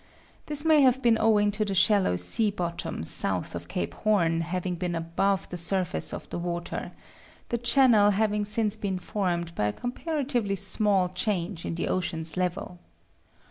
This may have been owing to the shallow sea bottom south of Cape Horn having been above the surface of the water, the channel having since been formed by a comparatively small change in the ocean's level.